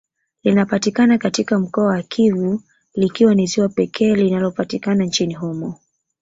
Linapatikana katika mkoa wa Kivu likiwa ni ziwa pekee linalopatikana nchini humo